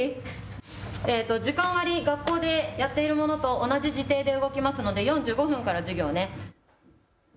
時間割、学校でやっているものと同じ時程で動きますので４５分から授業。